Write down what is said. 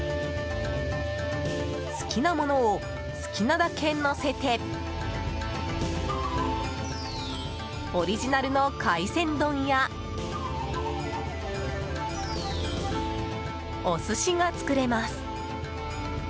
好きなものを好きなだけのせてオリジナルの海鮮丼やお寿司が作れます。